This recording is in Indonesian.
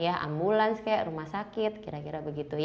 ambulans rumah sakit kira kira begitu